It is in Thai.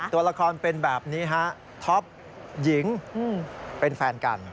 ตัวละครเป็นแบบนี้ฮะท็อปหญิงเป็นแฟนกัน